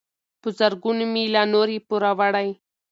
په زرګونو مي لا نور یې پوروړی